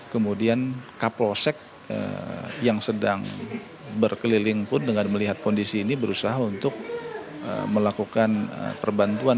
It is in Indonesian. kemudian kapolsek yang sedang berkeliling pun dengan melihat kondisi ini berusaha untuk melakukan perbantuan